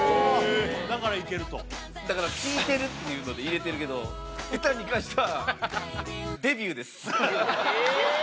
だからいけるとへえだから聴いてるっていうので入れてるけど歌に関してはデビューですえ！